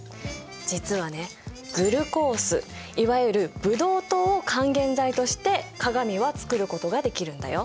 実はねグルコースいわゆるブドウ糖を還元剤として鏡は作ることができるんだよ。